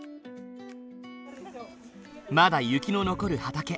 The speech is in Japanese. まだ雪の残る畑。